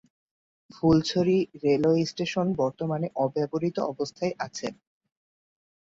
Fulchhari railway station বর্তমানে অব্যবহৃত অবস্থায় আছে।